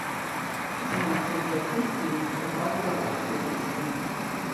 З маці ў дзяцінстве ён спяваў беларускія песні.